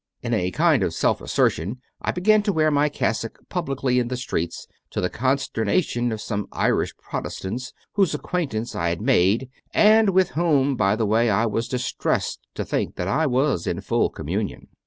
In a kind of self assertion I began to wear my cassock publicly in the streets, to the consternation of some Irish Protestants whose ac quaintance I had made, and with whom, by the 48 CONFESSIONS OF A CONVERT way, I was distressed to think that I was in full communion.